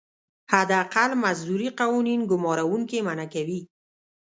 حداقل مزدوري قوانین ګمارونکي منعه کوي.